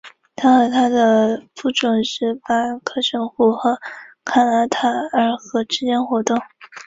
阿田和站纪势本线的铁路车站。